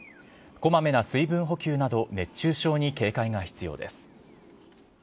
こまめな水分補給など、熱中症に警戒が必要です。